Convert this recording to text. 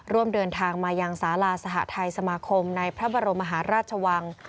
ร่วมเดินทางมายังสาราสหทัยสมาคมในพระบรมมหาราชวัง